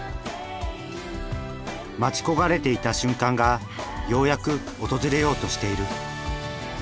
待ち焦がれていた瞬間がようやく訪れようとしている。